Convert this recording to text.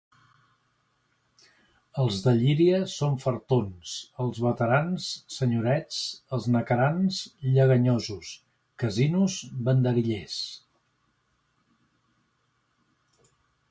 Els de Llíria són fartons, els beterans, senyorets, els naquerans, lleganyosos, Casinos, banderillers.